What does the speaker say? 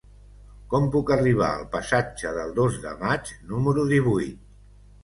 Com puc arribar al passatge del Dos de Maig número divuit?